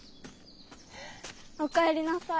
おかえりなさい。